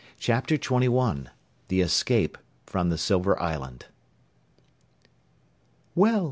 CHAPTER 21 THE ESCAPE FROM THE SILVER ISLAND "Well!"